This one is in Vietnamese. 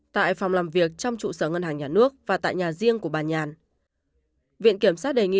tại phòng làm việc trong trụ sở ngân hàng nhà nước và tại nhà riêng của bà nhàn